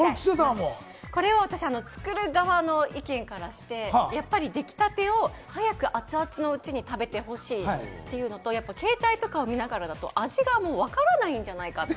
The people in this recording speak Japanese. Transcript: これは作る側の意見からして、できたてを早く熱々のうちに食べてほしいというのと、携帯とかを見ながらだと、味がわからないんじゃないかって。